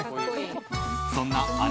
そんな姉